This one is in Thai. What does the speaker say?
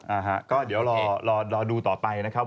อ่าฮะก็เดี๋ยวรอรอดูต่อไปนะครับ